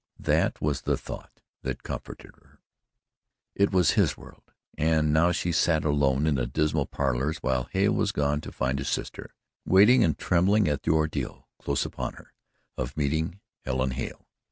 That was the thought that comforted her it was his world, and now she sat alone in the dismal parlours while Hale was gone to find his sister waiting and trembling at the ordeal, close upon her, of meeting Helen Hale.